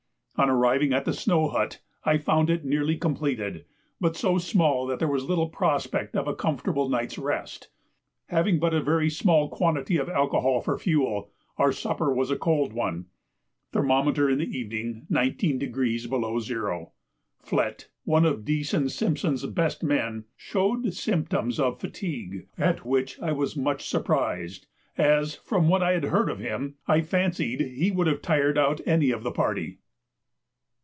On arriving at the snow hut I found it nearly completed, but so small that there was little prospect of a comfortable night's rest. Having but a very small quantity of alcohol for fuel, our supper was a cold one. Thermometer in the evening 19° below zero. Flett (one of Dease and Simpson's best men) showed symptoms of fatigue, at which I was much surprised, as, from what I had heard of him, I fancied he would have tired out any of the party.